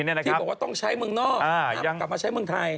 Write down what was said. ที่บอกว่าต้องใช้เมืองนอกกลับมาใช้เมืองไทย